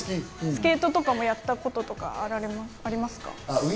スケートとかやったことありますか？